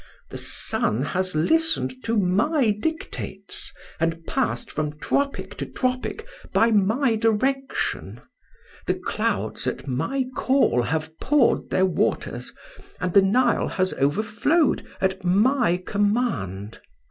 The sun has listened to my dictates, and passed from tropic to tropic by my direction; the clouds at my call have poured their waters, and the Nile has overflowed at my command.